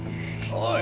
・おい！